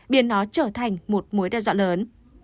biến nó trở thành một mối đe dọa lớn